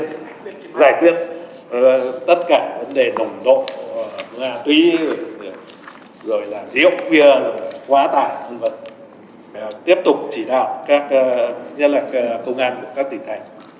giải quyết tất cả vấn đề nồng độ tùy rồi là diễu khóa tài tiếp tục chỉ đạo các công an các tỉnh thành